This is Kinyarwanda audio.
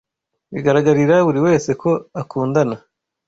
Bigaragarira buri wese ko akundana.